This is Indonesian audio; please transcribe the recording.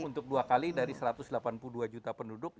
untuk dua kali dari satu ratus delapan puluh dua juta penduduk